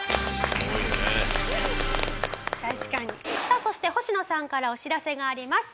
さあそして星野さんからお知らせがあります。